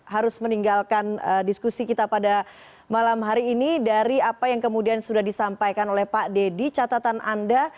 harus meninggalkan diskusi kita pada malam hari ini dari apa yang kemudian sudah disampaikan oleh pak dedy catatan anda